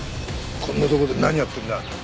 こんなとこで何やってんだ？